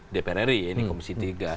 dprri ini komisi tiga